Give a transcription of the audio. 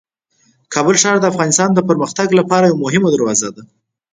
کابل ښار د افغانستان د پرمختګ لپاره یوه مهمه دروازه ده.